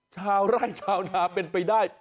คร้าวไร้คร้าวนาเป็นไปได้